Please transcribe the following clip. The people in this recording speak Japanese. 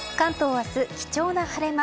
明日、貴重な晴れ間。